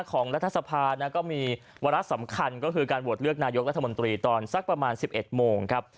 รัฐสภาก็มีวาระสำคัญก็คือการโหวตเลือกนายกรัฐมนตรีตอนสักประมาณ๑๑โมงครับ